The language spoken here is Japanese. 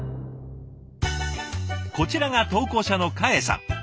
こちらが投稿者の嘉英さん。